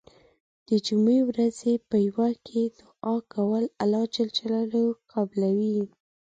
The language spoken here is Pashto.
د جمعې ورځې په یو برخه کې دعا کول الله ج قبلوی .